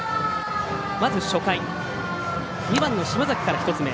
まず初回、２番の島崎から１つ目。